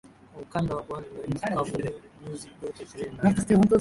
kwa ukanda wa pwani na nchi kavu nyuzi joto ishirini na nne